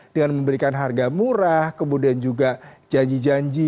dengan memberikan harga murah kemudian juga janji janji